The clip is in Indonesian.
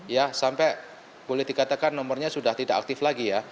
ya sampai boleh dikatakan nomornya sudah tidak aktif lagi ya